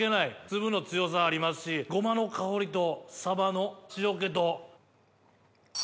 粒の強さありますしごまの香りとサバの塩気と。